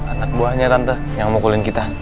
anak buahnya tante yang memukulin kita